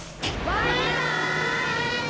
バイバイ！